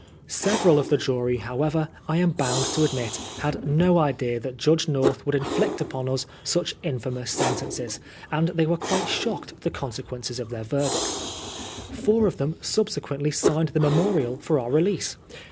Several of the jury, however, I am bound to admit, had no idea that Judge North would inflict upon us such infamous sentences, and they were quite shocked at the consequences of their verdict. Four of them subsequently signed the memorial for our release.